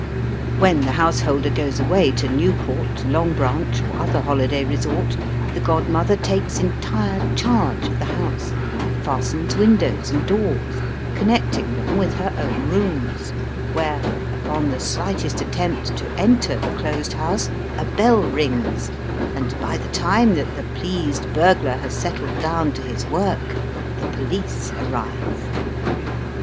When the householder goes away to Newport, Longbranch, or other holiday resort, the godmother takes entire charge of the house, fastens windows and doors, connecting them with her own rooms, where, upon the sUghtest attempt to enter the closed house, a bell rings, and by the time that the pleased burglar has settled down to his work the police arrive.